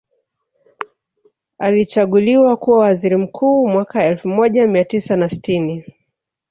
Alichaguliwa kuwa waziri mkuu mwaka elfu moja mia tisa na sitini